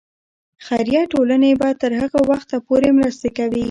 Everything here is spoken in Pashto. خیریه ټولنې به تر هغه وخته پورې مرستې کوي.